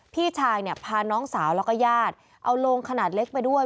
พี่ชายเนี่ยพาน้องสาวแล้วก็ญาติเอาโลงขนาดเล็กไปด้วย